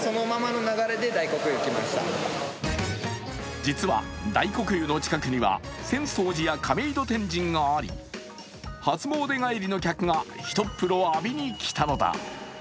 実は大黒湯の近くには浅草寺や亀戸天神があり初詣帰りの客がひとっ風呂浴びに来たのだ。